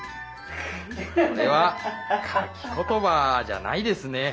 これはかきことばじゃないですね。